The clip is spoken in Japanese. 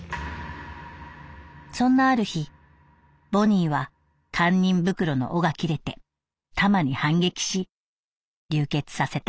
「そんなある日ボニーは堪忍袋の緒が切れてタマに反撃し流血させた。